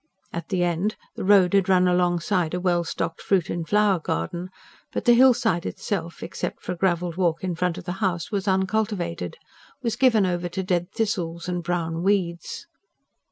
At the end, the road had run alongside a well stocked fruit and flower garden; but the hillside itself, except for a gravelled walk in front of the house, was uncultivated was given over to dead thistles and brown weeds.